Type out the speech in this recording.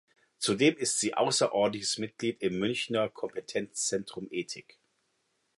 Zudem ist sie außerordentliches Mitglied im "Münchner Kompetenzzentrum Ethik".